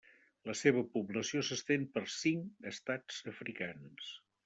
La seva població s'estén per cinc estats africans: